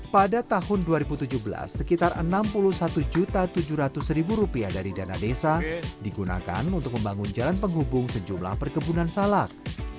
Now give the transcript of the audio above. pada tahun dua ribu tujuh belas sekitar rp enam puluh satu tujuh ratus dari dana desa digunakan untuk membangun jalan penghubung sejumlah perkebunan salak